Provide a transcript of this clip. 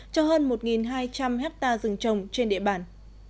cho hơn một hai trăm linh hectare rừng trồng trên địa bàn